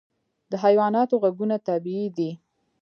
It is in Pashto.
د حیواناتو غږونه طبیعي دي.